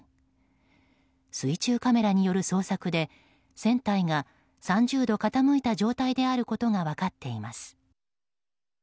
水中カメラによる捜索で船体が３０度傾いた状態であることが分かっています。